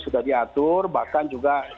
sudah diatur bahkan juga